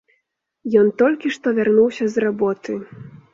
Ён толькі што вярнуўся з работы.